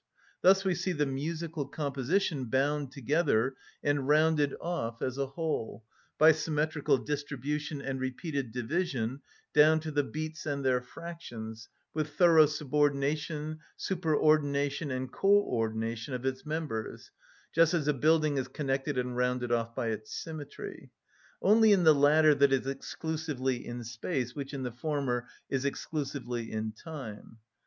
Thus we see the musical composition bound together and rounded off as a whole, by symmetrical distribution and repeated division, down to the beats and their fractions, with thorough subordination, superordination, and co‐ordination of its members, just as a building is connected and rounded off by its symmetry. Only in the latter that is exclusively in space which in the former is exclusively in time.